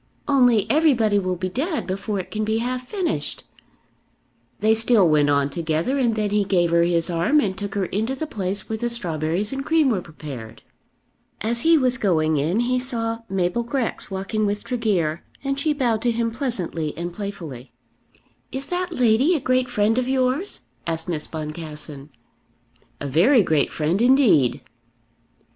Only everybody will be dead before it can be half finished." They still went on together, and then he gave her his arm and took her into the place where the strawberries and cream were prepared. As he was going in he saw Mabel Grex walking with Tregear, and she bowed to him pleasantly and playfully. "Is that lady a great friend of yours?" asked Miss Boncassen. "A very great friend indeed."